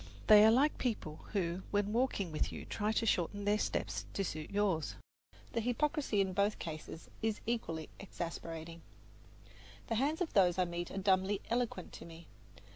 They are like people who when walking with you try to shorten their steps to suit yours; the hypocrisy in both cases is equally exasperating. The hands of those I meet are dumbly eloquent to me.